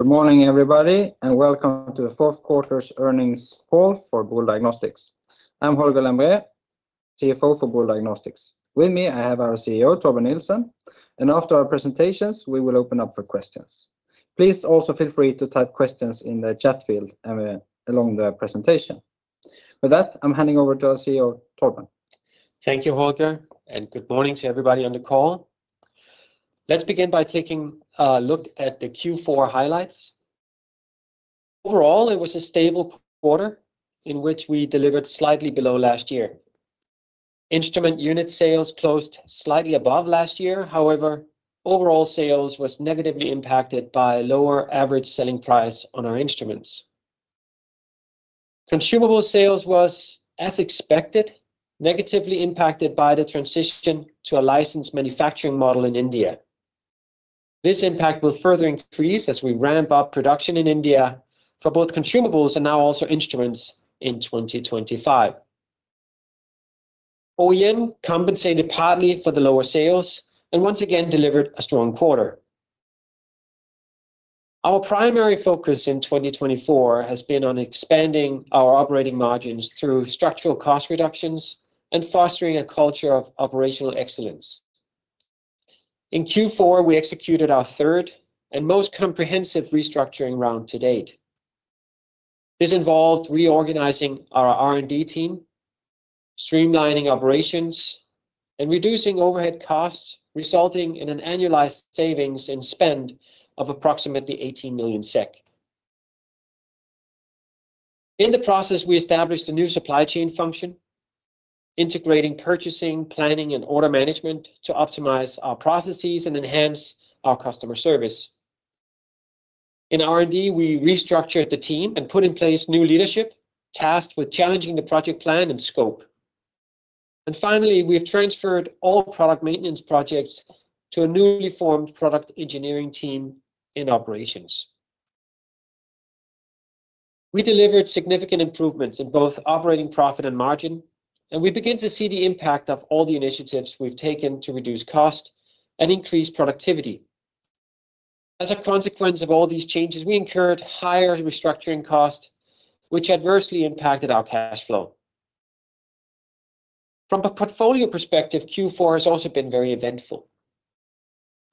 Good morning, everybody, and welcome to the Fourth Quarter's Earnings Call for Boule Diagnostics. I'm Holger Lembrér, CFO for Boule Diagnostics. With me, I have our CEO, Torben Nielsen, and after our presentations, we will open up for questions. Please also feel free to type questions in the chat field along the presentation. With that, I'm handing over to our CEO, Torben. Thank you, Holger, and good morning to everybody on the call. Let's begin by taking a look at the Q4 highlights. Overall, it was a stable quarter in which we delivered slightly below last year. Instrument unit sales closed slightly above last year; however, overall sales were negatively impacted by a lower average selling price on our instruments. Consumable sales were, as expected, negatively impacted by the transition to a licensed manufacturing model in India. This impact will further increase as we ramp up production in India for both consumables and now also instruments in 2025. OEM compensated partly for the lower sales and once again delivered a strong quarter. Our primary focus in 2024 has been on expanding our operating margins through structural cost reductions and fostering a culture of operational excellence. In Q4, we executed our third and most comprehensive restructuring round to date. This involved reorganizing our R&D team, streamlining operations, and reducing overhead costs, resulting in an annualized savings in spend of approximately 18 million SEK. In the process, we established a new supply chain function, integrating purchasing, planning, and order management to optimize our processes and enhance our customer service. In R&D, we restructured the team and put in place new leadership tasked with challenging the project plan and scope. Finally, we have transferred all product maintenance projects to a newly formed product engineering team in operations. We delivered significant improvements in both operating profit and margin, and we begin to see the impact of all the initiatives we have taken to reduce cost and increase productivity. As a consequence of all these changes, we incurred higher restructuring costs, which adversely impacted our cash flow. From a portfolio perspective, Q4 has also been very eventful.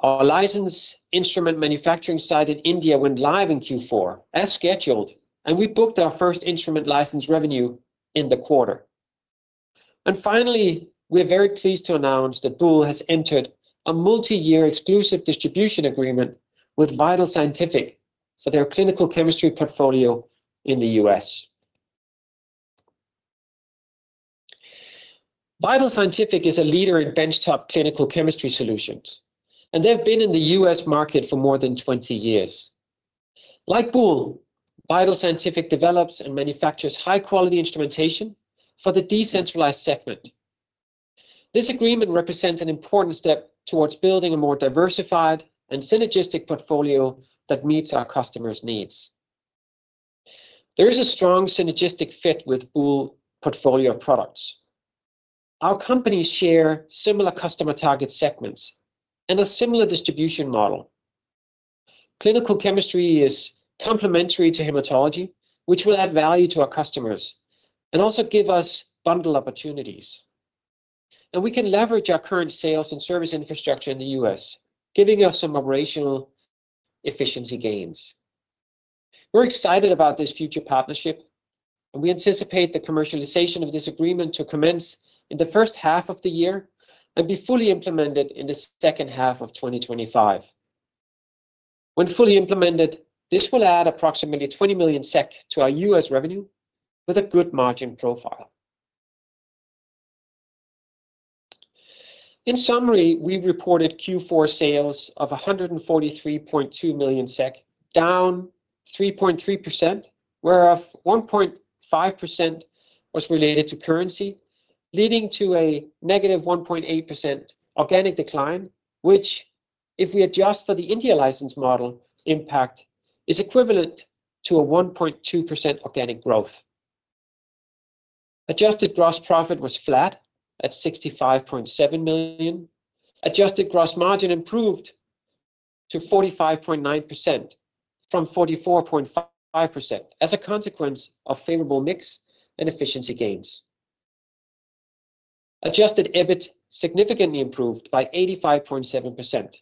Our licensed instrument manufacturing site in India went live in Q4, as scheduled, and we booked our first instrument license revenue in the quarter. We are very pleased to announce that Boule has entered a multi-year exclusive distribution agreement with VitalScientific for their Clinical Chemistry portfolio in the U.S. VitalScientific is a leader in benchtop Clinical Chemistry solutions, and they've been in the U.S. market for more than 20 years. Like Boule, VitalScientific develops and manufactures high-quality instrumentation for the decentralized segment. This agreement represents an important step towards building a more diversified and synergistic portfolio that meets our customers' needs. There is a strong synergistic fit with Boule's portfolio of products. Our companies share similar customer target segments and a similar distribution model. Clinical Chemistry is complementary to hematology, which will add value to our customers and also give us bundle opportunities. We can leverage our current sales and service infrastructure in the U.S., giving us some operational efficiency gains. We are excited about this future partnership, and we anticipate the commercialization of this agreement to commence in the first half of the year and be fully implemented in the second half of 2025. When fully implemented, this will add approximately 20 million SEK to our US revenue with a good margin profile. In summary, we reported Q4 sales of 143.2 million SEK, down 3.3%, whereof 1.5% was related to currency, leading to a negative 1.8% organic decline, which, if we adjust for the India license model, impact is equivalent to a 1.2% organic growth. Adjusted gross profit was flat at 65.7 million. Adjusted gross margin improved to 45.9% from 44.5% as a consequence of favorable mix and efficiency gains. Adjusted EBIT significantly improved by 85.7%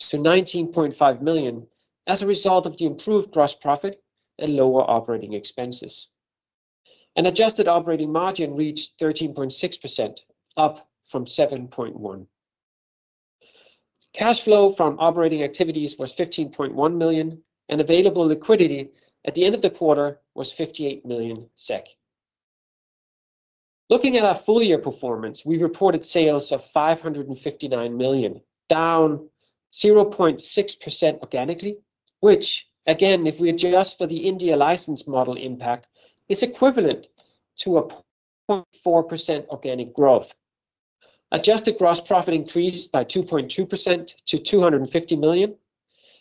to 19.5 million as a result of the improved gross profit and lower operating expenses. Adjusted operating margin reached 13.6%, up from 7.1%. Cash flow from operating activities was 15.1 million, and available liquidity at the end of the quarter was 58 million SEK. Looking at our full-year performance, we reported sales of 559 million, down 0.6% organically, which, again, if we adjust for the India license model impact, is equivalent to a 0.4% organic growth. Adjusted Gross profit increased by 2.2% to 250 million.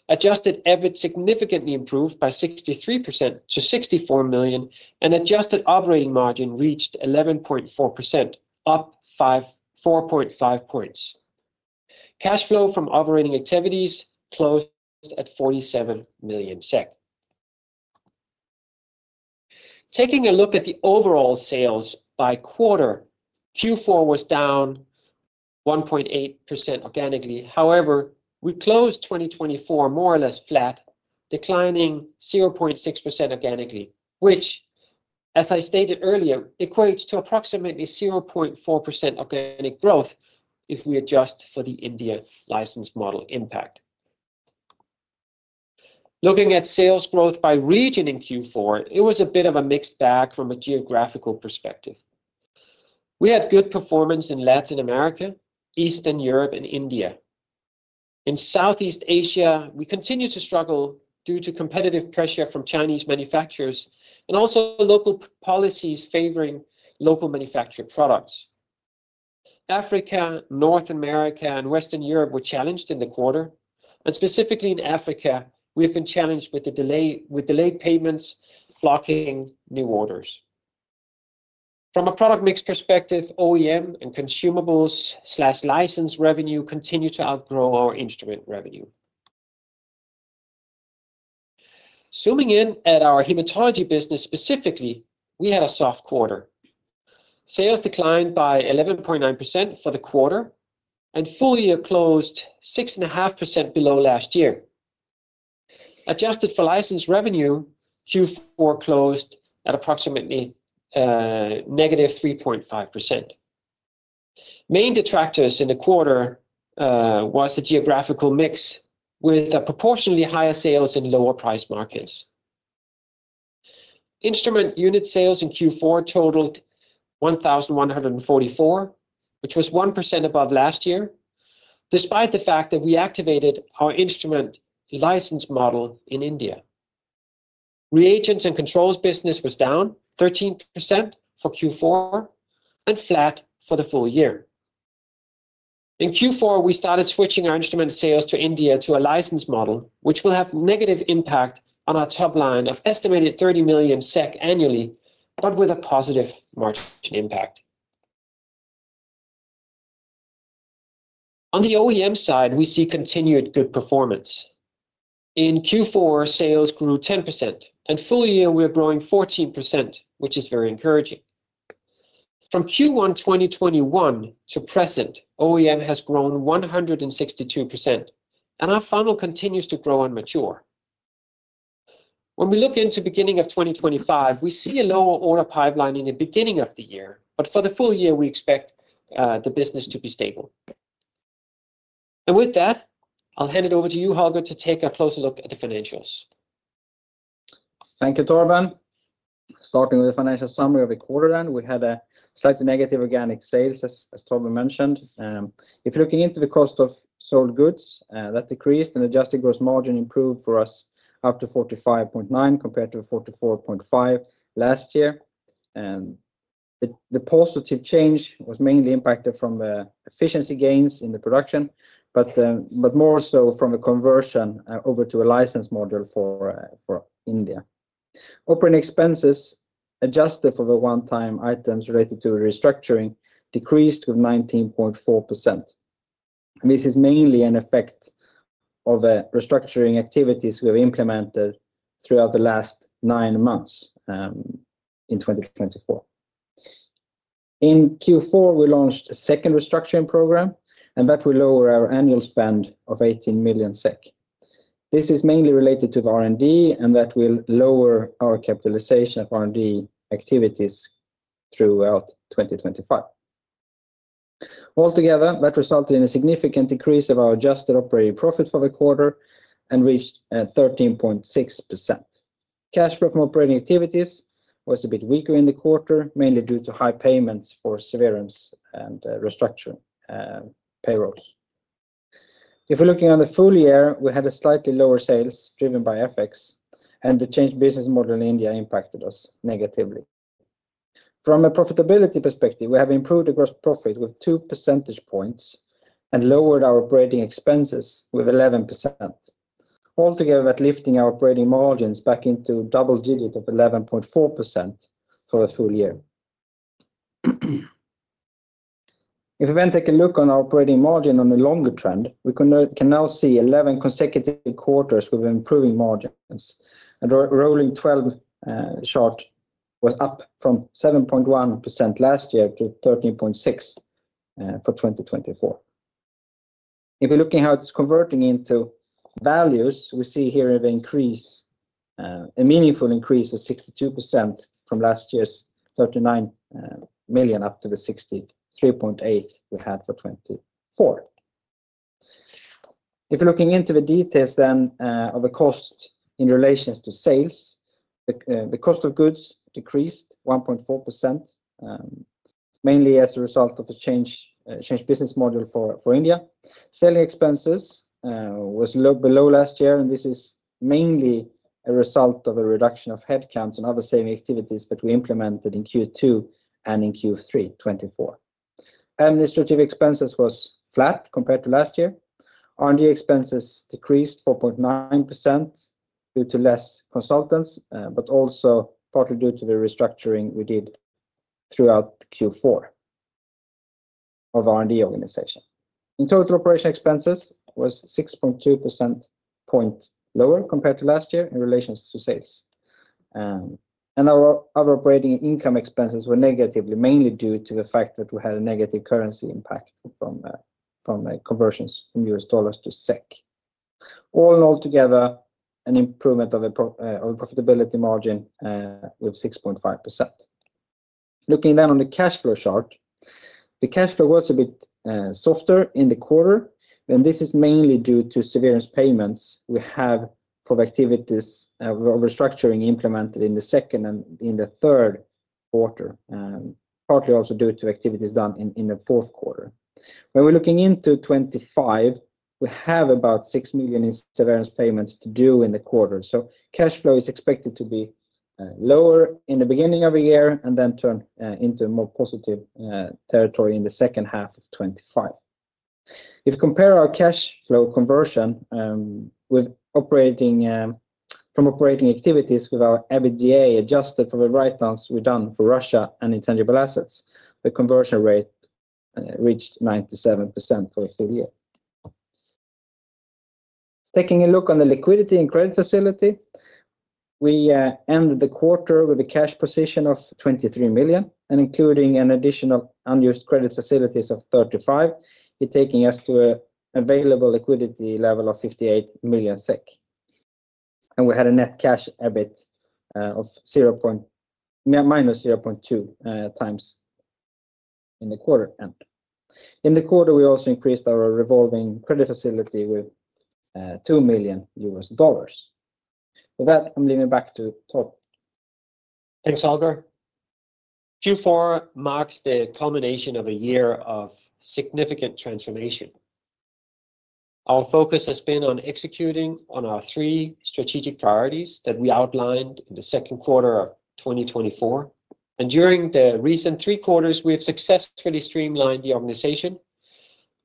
Adjusted EBIT significantly improved by 63% to 64 million, and Adjusted Operating margin reached 11.4%, up 4.5 percentage points. Cash flow from operating activities closed at 47 million SEK. Taking a look at the overall sales by quarter, Q4 was down 1.8% organically. However, we closed 2024 more or less flat, declining 0.6% organically, which, as I stated earlier, equates to approximately 0.4% organic growth if we adjust for the India license model impact. Looking at sales growth by region in Q4, it was a bit of a mixed bag from a geographical perspective. We had good performance in Latin America, Eastern Europe, and India. In Southeast Asia, we continued to struggle due to competitive pressure from Chinese manufacturers and also local policies favoring local manufactured products. Africa, North America, and Western Europe were challenged in the quarter, and specifically in Africa, we've been challenged with delayed payments blocking new orders. From a product mix perspective, OEM and consumables/license revenue continue to outgrow our instrument revenue. Zooming in at our hematology business specifically, we had a soft quarter. Sales declined by 11.9% for the quarter and full-year closed 6.5% below last year. Adjusted for license revenue, Q4 closed at approximately negative 3.5%. Main detractors in the quarter were the geographical mix with proportionally higher sales in lower price markets. Instrument unit sales in Q4 totaled 1,144, which was 1% above last year, despite the fact that we activated our instrument license model in India. Reagents and controls business was down 13% for Q4 and flat for the full year. In Q4, we started switching our instrument sales to India to a license model, which will have a negative impact on our top line of estimated 30 million SEK annually, but with a positive margin impact. On the OEM side, we see continued good performance. In Q4, sales grew 10%, and full-year we're growing 14%, which is very encouraging. From Q1 2021 to present, OEM has grown 162%, and our funnel continues to grow and mature. When we look into the beginning of 2025, we see a lower order pipeline in the beginning of the year, but for the full year, we expect the business to be stable. With that, I'll hand it over to you, Holger, to take a closer look at the financials. Thank you, Torben. Starting with the financial summary of the quarter, we had a slightly negative organic sales, as Torben mentioned. If you're looking into the cost of sold goods, that decreased and adjusted gross margin improved for us up to 45.9% compared to 44.5% last year. The positive change was mainly impacted from the efficiency gains in the production, but more so from the conversion over to a license model for India. Operating expenses adjusted for the one-time items related to restructuring decreased with 19.4%. This is mainly an effect of restructuring activities we have implemented throughout the last nine months in 2024. In Q4, we launched a second restructuring program, and that will lower our annual spend of 18 million SEK. This is mainly related to R&D, and that will lower our capitalization of R&D activities throughout 2025. Altogether, that resulted in a significant decrease of our adjusted operating profit for the quarter and reached 13.6%. Cash flow from operating activities was a bit weaker in the quarter, mainly due to high payments for severance and restructuring payrolls. If we're looking on the full year, we had a slightly lower sales driven by FX, and the changed business model in India impacted us negatively. From a profitability perspective, we have improved the Gross profit with 2 percentage points and lowered our operating expenses with 11%. Altogether, that's lifting our operating margins back into double digits of 11.4% for the full year. If we then take a look on our operating margin on a longer trend, we can now see 11 consecutive quarters with improving margins. Our rolling 12-shot was up from 7.1% last year to 13.6% for 2024. If we're looking at how it's converting into values, we see here an increase, a meaningful increase of 62% from last year's 39 million up to the 63.8 million we had for 2024. If you're looking into the details then of the cost in relation to sales, the cost of goods decreased 1.4%, mainly as a result of the changed business model for India. Selling expenses was below last year, and this is mainly a result of a reduction of headcounts and other saving activities that we implemented in Q2 and in Q3 2024. Administrative expenses were flat compared to last year. R&D expenses decreased 4.9% due to less consultants, but also partly due to the restructuring we did throughout Q4 of our R&D organization. In total, operation expenses were 6.2 percentage points lower compared to last year in relation to sales. Our operating income expenses were negatively, mainly due to the fact that we had a negative currency impact from conversions from U.S. dollars to SEK. All in all, together, an improvement of the profitability margin with 6.5%. Looking then on the cash flow chart, the cash flow was a bit softer in the quarter, and this is mainly due to severance payments we have for the activities of restructuring implemented in the second and in the third quarter, partly also due to activities done in the fourth quarter. When we're looking into 2025, we have about 6 million in severance payments to do in the quarter. Cash flow is expected to be lower in the beginning of the year and then turn into a more positive territory in the second half of 2025. If we compare our cash flow conversion from operating activities with our EBITDA Adjusted for the write-downs we've done for Russia and intangible assets, the conversion rate reached 97% for the full year. Taking a look on the liquidity and credit facility, we ended the quarter with a cash position of 23 million, and including an additional unused credit facilities of 35 million, it's taking us to an available liquidity level of 58 million SEK. We had a net cash EBIT of -0.2 times in the quarter end. In the quarter, we also increased our revolving credit facility with $2 million. With that, I'm leaving it back to Torben. Thanks, Holger. Q4 marks the culmination of a year of significant transformation. Our focus has been on executing on our three strategic priorities that we outlined in the second quarter of 2024. During the recent three quarters, we have successfully streamlined the organization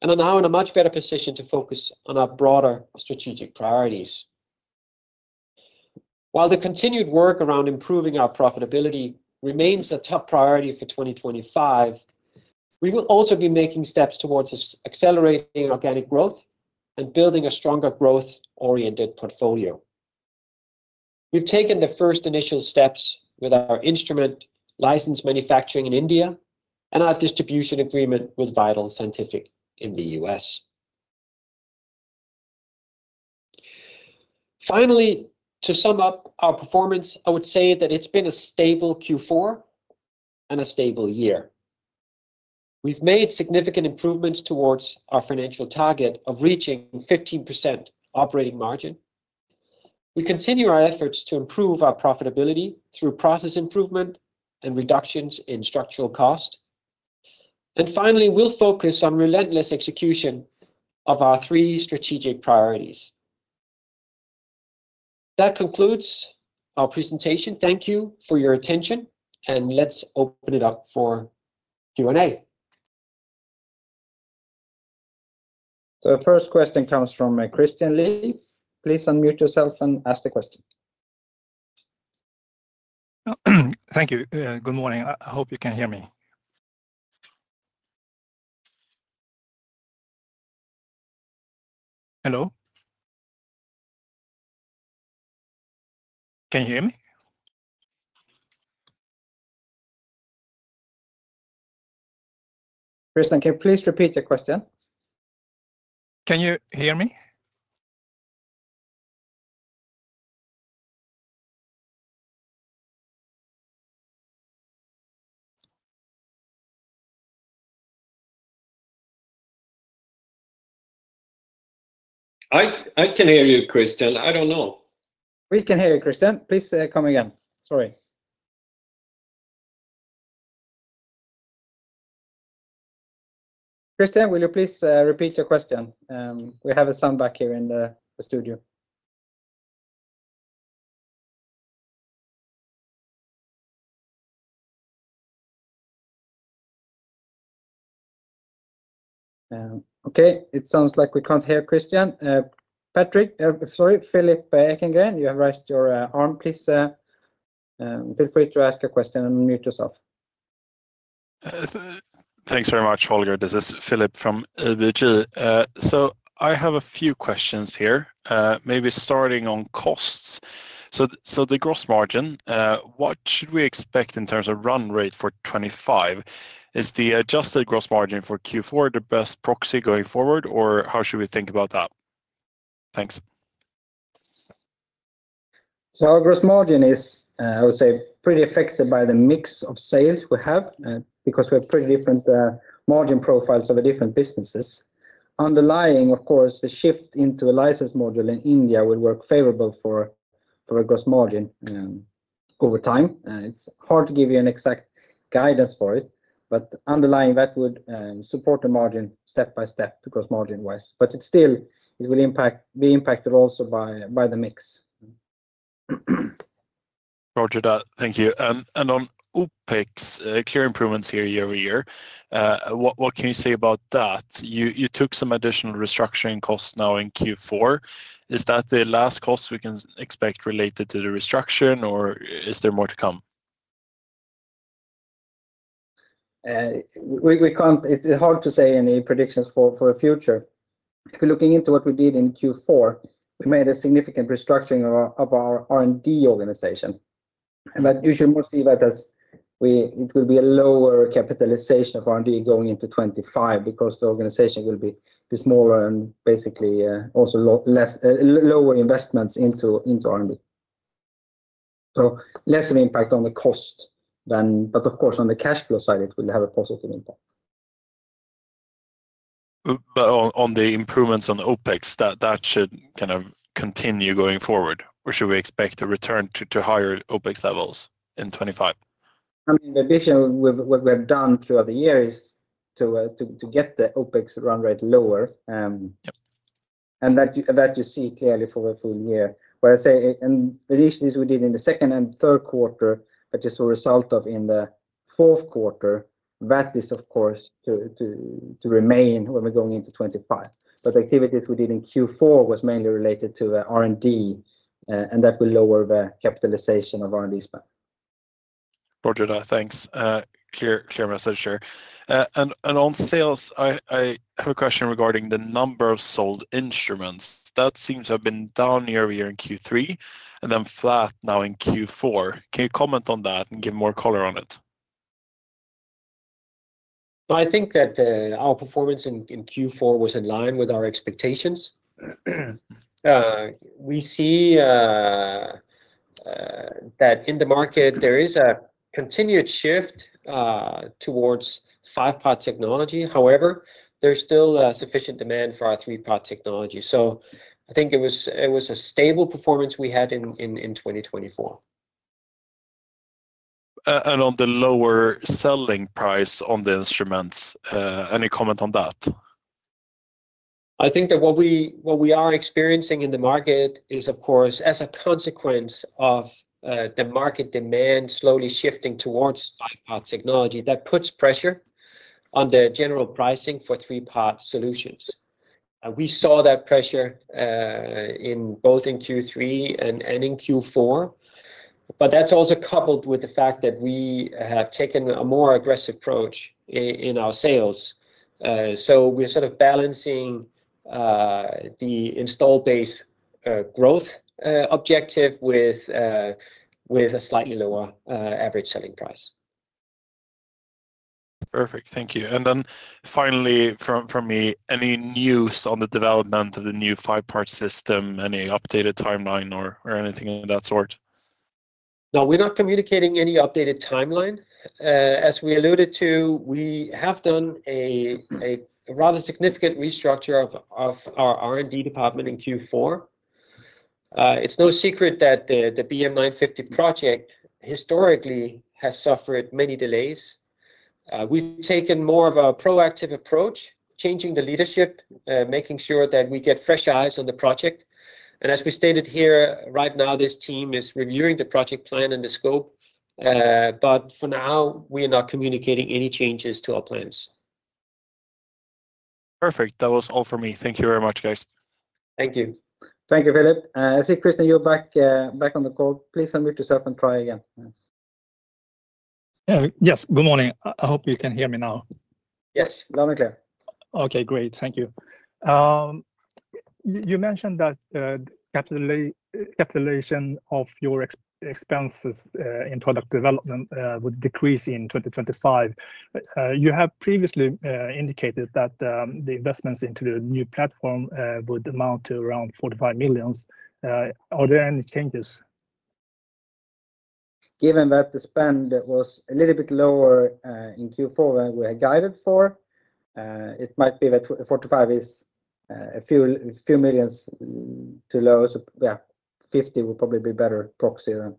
and are now in a much better position to focus on our broader strategic priorities. While the continued work around improving our profitability remains a top priority for 2025, we will also be making steps towards accelerating organic growth and building a stronger growth-oriented portfolio. We have taken the first initial steps with our instrument license manufacturing in India and our distribution agreement with VitalScientific in the U.S. Finally, to sum up our performance, I would say that it has been a stable Q4 and a stable year. We have made significant improvements towards our financial target of reaching 15% operating margin. We continue our efforts to improve our profitability through process improvement and reductions in structural cost. Finally, we will focus on relentless execution of our three strategic priorities. That concludes our presentation. Thank you for your attention, and let's open it up for Q&A. The first question comes from Christian Lee. Please unmute yourself and ask the question. Thank you. Good morning. I hope you can hear me. Hello? Can you hear me? Christian, can you please repeat your question? Can you hear me? I can hear you, Christian. I don't know. We can hear you, Christian. Please come again. Sorry. Christian, will you please repeat your question? We have a sound back here in the studio. Okay. It sounds like we can't hear Christian. Patrick, sorry, Philip Ekengren, you have raised your arm. Please feel free to ask a question and unmute yourself. Thanks very much, Holger. This is Philip from ABG. I have a few questions here, maybe starting on costs. The gross margin, what should we expect in terms of run rate for 2025? Is the adjusted gross margin for Q4 the best proxy going forward, or how should we think about that? Thanks. Our gross margin is, I would say, pretty affected by the mix of sales we have because we have pretty different margin profiles of different businesses. Underlying, of course, the shift into a license model in India will work favorably for a gross margin over time. It's hard to give you an exact guidance for it, but underlying that would support the margin step by step, gross margin-wise. It still will be impacted also by the mix. Roger that. Thank you. On OpEx, clear improvements here year over year. What can you say about that? You took some additional restructuring costs now in Q4. Is that the last cost we can expect related to the restructuring, or is there more to come? It's hard to say any predictions for the future. If we're looking into what we did in Q4, we made a significant restructuring of our R&D organization. You should mostly see that as it will be a lower capitalization of R&D going into 2025 because the organization will be smaller and basically also lower investments into R&D. Less of an impact on the cost, but of course, on the cash flow side, it will have a positive impact. On the improvements on OpEx, that should kind of continue going forward, or should we expect a return to higher OpEx levels in 2025? I mean, the addition we've done throughout the year is to get the OpEx run rate lower. That you see clearly for the full year. What I say, and the additions we did in the second and third quarter, which is a result of in the fourth quarter, that is, of course, to remain when we're going into 2025. The activities we did in Q4 were mainly related to R&D, and that will lower the capitalization of R&D spend. Roger that. Thanks. Clear message here. On sales, I have a question regarding the number of sold instruments. That seems to have been down year over year in Q3 and then flat now in Q4. Can you comment on that and give more color on it? I think that our performance in Q4 was in line with our expectations. We see that in the market, there is a continued shift towards five-part technology. However, there's still sufficient demand for our three-part technology. I think it was a stable performance we had in 2024. On the lower selling price on the instruments, any comment on that? I think that what we are experiencing in the market is, of course, as a consequence of the market demand slowly shifting towards five-part technology, that puts pressure on the general pricing for three-part solutions. We saw that pressure both in Q3 and in Q4, but that's also coupled with the fact that we have taken a more aggressive approach in our sales. We are sort of balancing the install-based growth objective with a slightly lower average selling price. Perfect. Thank you. Finally, from me, any news on the development of the new five-part system, any updated timeline or anything of that sort? No, we're not communicating any updated timeline. As we alluded to, we have done a rather significant restructure of our R&D department in Q4. It's no secret that the BM950 project historically has suffered many delays. We've taken more of a proactive approach, changing the leadership, making sure that we get fresh eyes on the project. As we stated here, right now, this team is reviewing the project plan and the scope. For now, we are not communicating any changes to our plans. Perfect. That was all for me. Thank you very much, guys. Thank you. Thank you, Philip. I see, Christian, you're back on the call. Please unmute yourself and try again. Yes. Good morning. I hope you can hear me now. Yes. Loud and clear. Okay. Great. Thank you. You mentioned that capitalization of your expenses in product development would decrease in 2025. You have previously indicated that the investments into the new platform would amount to around 45 million. Are there any changes? Given that the spend was a little bit lower in Q4 than we had guided for, it might be that 45 million is a few million too low. Yeah, 50 million would probably be a better proxy than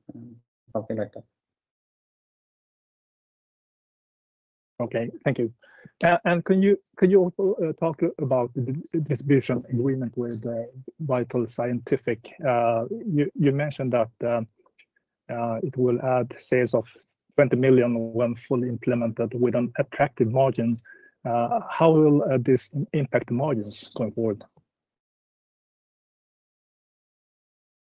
something like that. Okay. Thank you. Can you also talk about the distribution agreement with VitalScientific? You mentioned that it will add sales of 20 million when fully implemented with an attractive margin. How will this impact the margins going forward?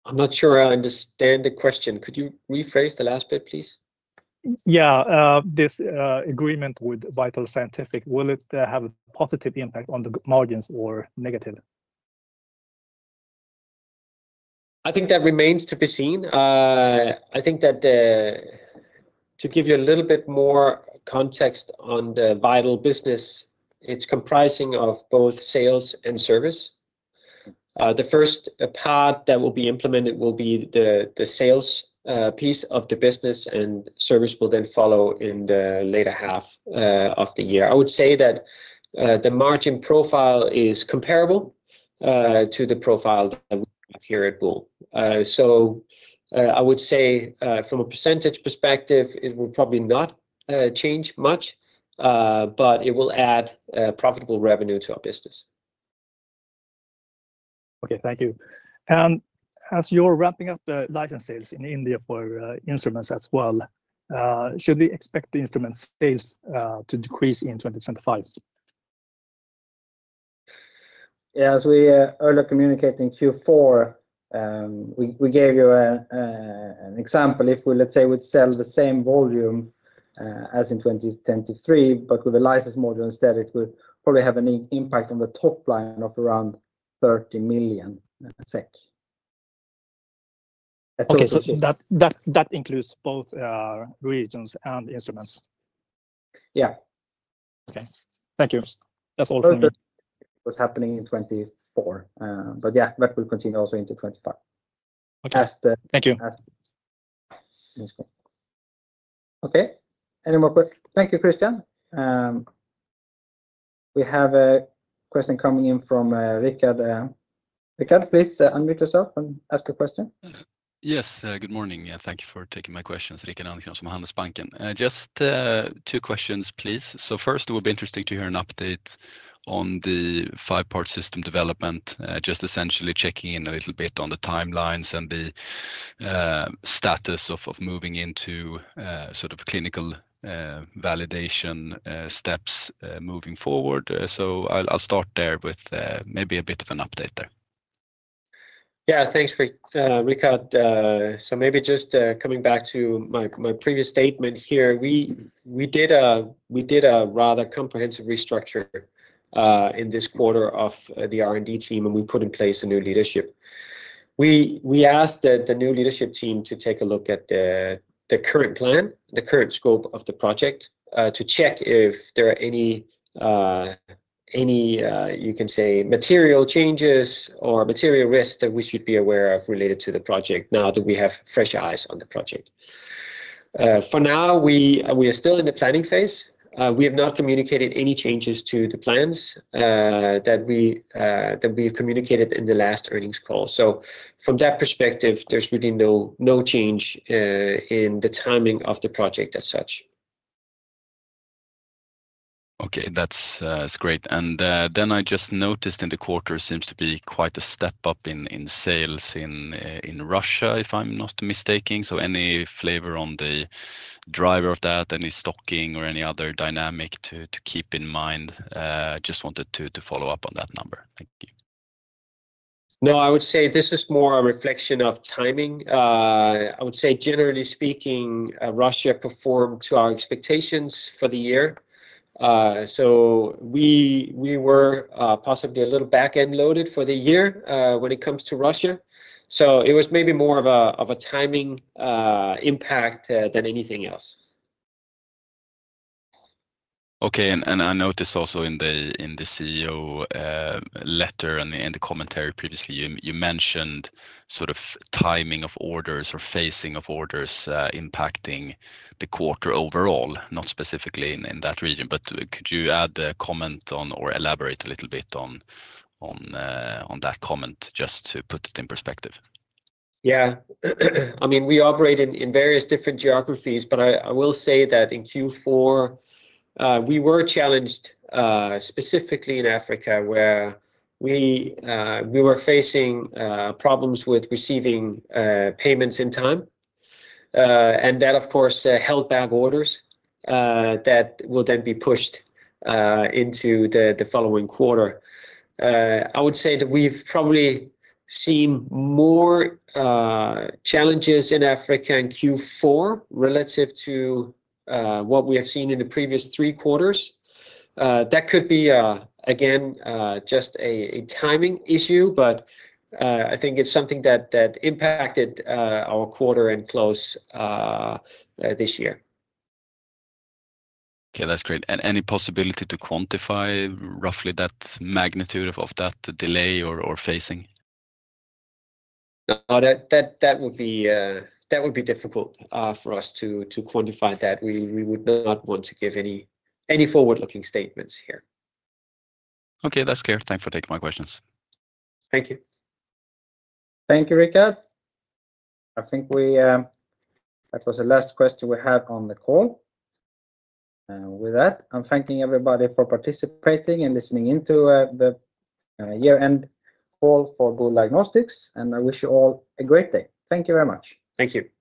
I'm not sure I understand the question. Could you rephrase the last bit, please? Yeah. This agreement with VitalScientific, will it have a positive impact on the margins or negative? I think that remains to be seen. I think that to give you a little bit more context on the Vital business, it's comprising of both sales and service. The first part that will be implemented will be the sales piece of the business, and service will then follow in the later half of the year. I would say that the margin profile is comparable to the profile that we have here at Boule. I would say from a percentage perspective, it will probably not change much, but it will add profitable revenue to our business. Okay. Thank you. As you're wrapping up the license sales in India for instruments as well, should we expect the instrument sales to decrease in 2025? Yeah. As we earlier communicated in Q4, we gave you an example. If we, let's say, would sell the same volume as in 2023, but with a license module instead, it would probably have an impact on the top line of around 30 million SEK. Okay. That includes both regions and instruments. Yeah. Okay. Thank you. That's all from me. What's happening in 2024. Yeah, that will continue also into 2025. Okay. Thank you. Okay. Any more questions? Thank you, Christian. We have a question coming in from Rickard. Rickard, please unmute yourself and ask your question. Yes. Good morning. Thank you for taking my questions. Just two questions, please. First, it would be interesting to hear an update on the five-part system development, just essentially checking in a little bit on the timelines and the status of moving into sort of clinical validation steps moving forward. I'll start there with maybe a bit of an update there. Yeah. Thanks, Rickard. Maybe just coming back to my previous statement here, we did a rather comprehensive restructure in this quarter of the R&D team, and we put in place a new leadership. We asked the new leadership team to take a look at the current plan, the current scope of the project, to check if there are any, you can say, material changes or material risks that we should be aware of related to the project now that we have fresh eyes on the project. For now, we are still in the planning phase. We have not communicated any changes to the plans that we have communicated in the last earnings call. From that perspective, there's really no change in the timing of the project as such. Okay. That's great. I just noticed in the quarter, it seems to be quite a step up in sales in Russia, if I'm not mistaken. Any flavor on the driver of that, any stocking or any other dynamic to keep in mind? I just wanted to follow up on that number. Thank you. No, I would say this is more a reflection of timing. I would say, generally speaking, Russia performed to our expectations for the year. We were possibly a little back-end loaded for the year when it comes to Russia. It was maybe more of a timing impact than anything else. Okay. I noticed also in the CEO letter and the commentary previously, you mentioned sort of timing of orders or phasing of orders impacting the quarter overall, not specifically in that region. Could you add a comment on or elaborate a little bit on that comment, just to put it in perspective? Yeah. I mean, we operate in various different geographies, but I will say that in Q4, we were challenged specifically in Africa, where we were facing problems with receiving payments in time. That, of course, held back orders that will then be pushed into the following quarter. I would say that we've probably seen more challenges in Africa in Q4 relative to what we have seen in the previous three quarters. That could be, again, just a timing issue, but I think it's something that impacted our quarter-end close this year. Okay. That's great. Any possibility to quantify roughly that magnitude of that delay or phasing? That would be difficult for us to quantify that. We would not want to give any forward-looking statements here. Okay. That's clear. Thanks for taking my questions. Thank you. Thank you, Rickard. I think that was the last question we had on the call. With that, I'm thanking everybody for participating and listening into the year-end call for Boule Diagnostics. I wish you all a great day. Thank you very much. Thank you.